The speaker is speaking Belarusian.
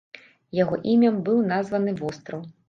Яго імям быў названы востраў.